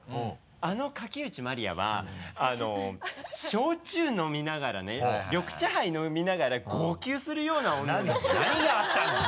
あの垣内麻里亜は焼酎飲みながらね緑茶ハイ飲みながら号泣するような女なんですよ。